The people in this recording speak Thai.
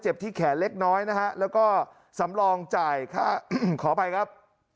ที่แขนเล็กน้อยนะฮะแล้วก็สำรองจ่ายค่าขออภัยครับ